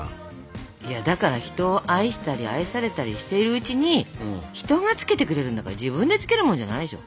いやだから人を愛したり愛されたりしているうちに人が付けてくれるんだから自分で付けるもんじゃないでしょ。